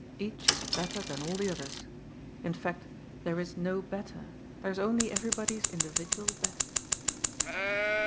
Each is better than all the others. In fact, there is no better ; there is only everybody's individual best.